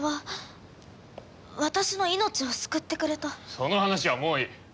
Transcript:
その話はもういい！